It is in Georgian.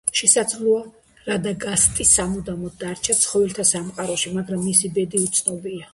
შესაძლოა, რადაგასტი სამუდამოდ დარჩა ცხოველთა სამყაროში, მაგრამ მისი ბედი უცნობია.